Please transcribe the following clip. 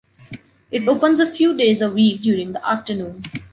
It opens a few days a week during the afternoon.